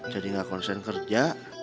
jadi nggak konsen kerja